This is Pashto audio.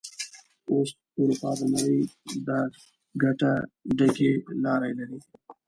اوس اروپا د نړۍ د ګټه ډکې لارې لري.